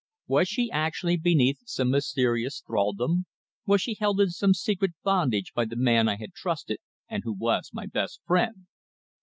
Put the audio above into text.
Was she actually beneath some mysterious thraldom was she held in some secret bondage by the man I had trusted and who was my best friend?